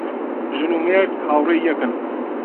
ژن و مێرد هاوڕێی یەکن